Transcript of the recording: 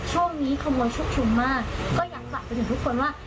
ช่วงนี้ขโมยชุกชุมมากก็ยังฝากไปถึงทุกคนว่า